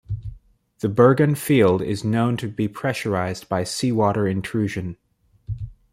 The Burgan field is known to be pressurized by seawater intrusion.